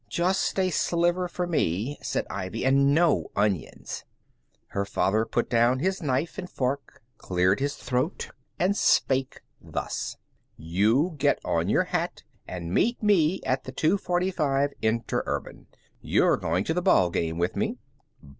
"Just a sliver for me," said Ivy, "and no onions." Her father put down his knife and fork, cleared his throat, and spake, thus: "You get on your hat and meet me at the 2:45 inter urban. You're going to the ball game with me."